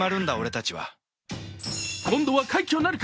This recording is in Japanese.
今度は快挙なるか。